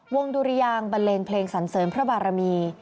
ดุรยางบันเลงเพลงสันเสริมพระบารมี